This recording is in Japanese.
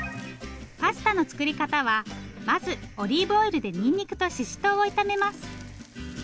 パスタの作り方はまずオリーブオイルでにんにくとししとうを炒めます。